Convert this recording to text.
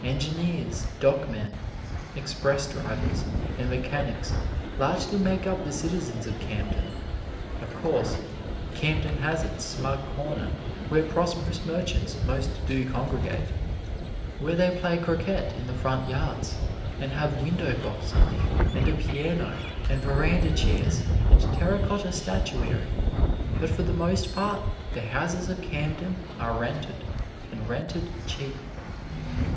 Engineers, dockmen, express drivers and mechanics largely make up the citizens of Camden. Of course, Camden has its smug corner where prosperous merchants most do congregate: where they play croquet in the front yards, and have window boxes, and a piano and veranda chairs and terra cotta statuary; but for the most part the houses of Camden are rented, and rented cheap.